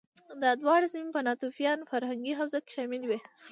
دا دواړه سیمې په ناتوفیان فرهنګي حوزه کې شاملې وې